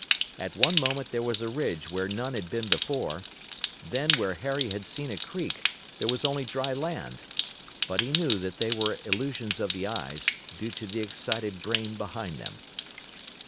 At one moment there was a ridge where none had been before, then where Harry had seen a creek there was only dry land. But he knew that they were illusions of the eyes, due to the excited brain behind them.